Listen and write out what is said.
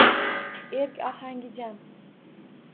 Erk ohangi jam.